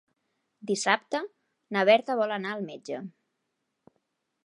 Dissabte na Berta vol anar al metge.